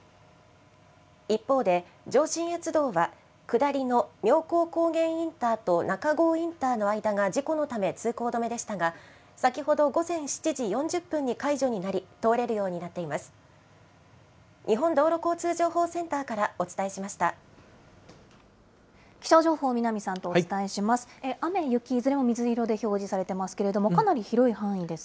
一方で、上信越道は下りの妙高高原インターと中郷インターの間が事故のため通行止めでしたが、先ほど午前７時４０分に解除になり、通れるようになっています。